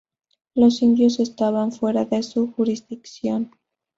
Los indios estaban fuera de su jurisdicción.